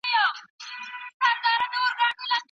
ځینې سردردونه د اوږدې مودې لپاره وي.